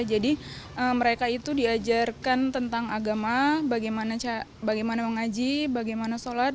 jadi mereka itu diajarkan tentang agama bagaimana mengaji bagaimana sholat